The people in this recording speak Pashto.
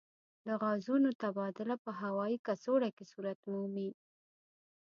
د غازونو تبادله په هوايي کڅوړو کې صورت مومي.